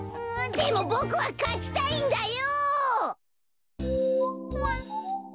でもボクはかちたいんだよ！